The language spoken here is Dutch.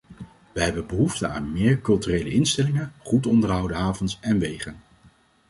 Wij hebben behoefte aan meer culturele instellingen, goed onderhouden havens en wegen.